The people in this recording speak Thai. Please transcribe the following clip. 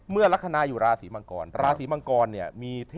เมื่อลับทราศีมังกรอยู่ราศีมังกรราศีมังกรมีเทศ